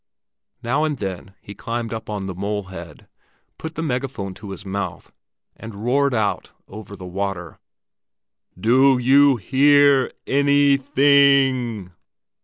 Now and then he climbed up on the molehead, put the megaphone to his mouth, and roared out over the water: "Do—you—hear—any—thing?"